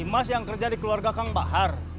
mas yang kerja di keluarga kang bahar